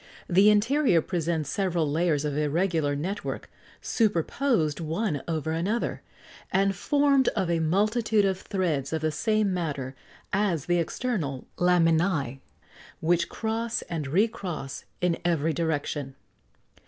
The interior presents several layers of irregular net work, superposed one over another, and formed of a multitude of threads of the same matter as the external laminæ, and which cross and re cross in every direction.